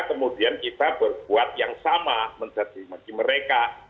kemudian kita berbuat yang sama mencacimaki mereka